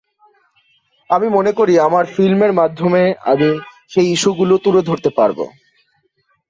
আমি মনে করি আমার ফিল্মের মাধ্যমে আমি সেই ইস্যুগুলো তুলে ধরতে পারব।